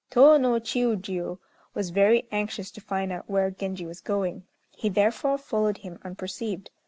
Tô no Chiûjiô was very anxious to find out where Genji was going. He therefore followed him unperceived.